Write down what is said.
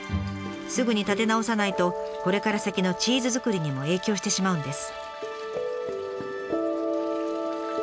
すぐに立て直さないとこれから先のチーズ作りにも影響してしまうんです。